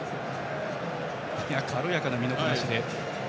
軽やかな身のこなしで。